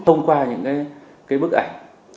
thông qua những bức ảnh